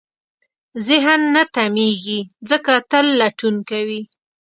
ذهن نه تمېږي، ځکه تل لټون کوي.